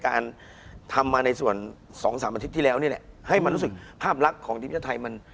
คุณผู้ชมบางท่าอาจจะไม่เข้าใจที่พิเตียร์สาร